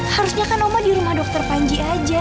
harusnya kan oma di rumah dokter panji aja